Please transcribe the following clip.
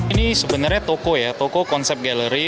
ini sebenarnya toko ya toko konsep gallery